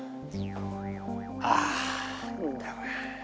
あ何だよこれ。